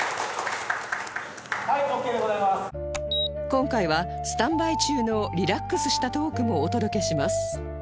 今回はスタンバイ中のリラックスしたトークもお届けします